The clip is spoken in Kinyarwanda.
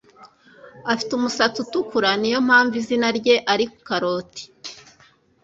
Afite umusatsi utukura Niyo mpamvu izina rye ari Karoti